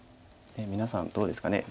皆さんどうですかね。